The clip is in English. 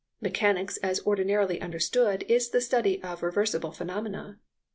Mechanics as ordinarily understood is the study of reversible phenomena.